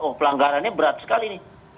oh pelanggarannya berat sekali nih